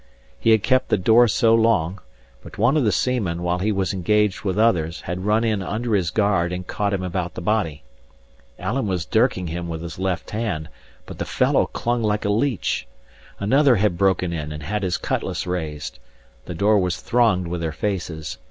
He had kept the door so long; but one of the seamen, while he was engaged with others, had run in under his guard and caught him about the body. Alan was dirking him with his left hand, but the fellow clung like a leech. Another had broken in and had his cutlass raised. The door was thronged with their faces.